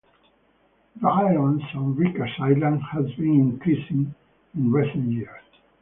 Violence on Rikers Island has been increasing in recent years.